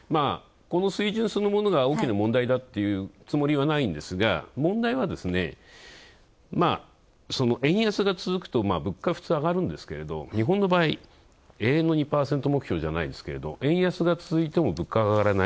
水準そのものが大きな問題だというつもりはないんですが、問題はですね、円安が続くと物価、普通、上がるんですけれど日本の場合、永遠の２％目標じゃないですけど円安が続いても物価が上がらない。